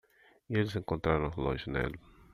E eles encontraram o relógio nele.